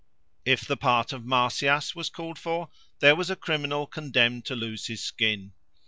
If the part of Marsyas was called for, there was a criminal condemned to lose his skin.